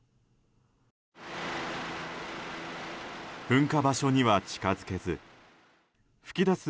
噴火場所には近づけず噴き出す